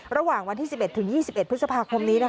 ระหว่างวันที่๑๑๒๑พฤษภาคมนี้